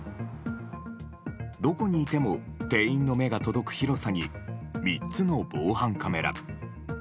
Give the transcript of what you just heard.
どこにいても店員の目が届く広さに３つの防犯カメラ。